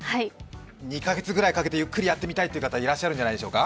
２カ月ぐらいかけてゆっくりやってみたいという方いらっしゃるんじゃないでしょうか。